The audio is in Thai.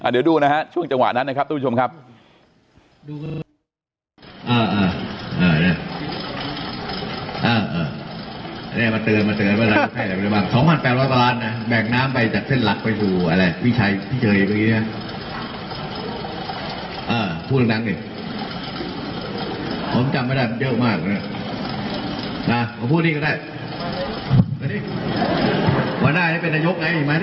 เดี๋ยวดูนะฮะช่วงจังหวะนั้นนะครับทุกผู้ชมครับ